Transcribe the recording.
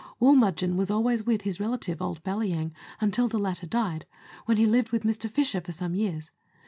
Woolmudgen was always with his relative, old Balyang, until the latter died, when he lived with Mr. Fisher for some years.